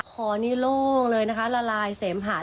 คอนี่โล่งเลยนะคะละลายเสมหา